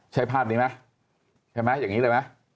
ใช่ภาพนี้ไหมใช่ไหมอย่างนี้เลยไหม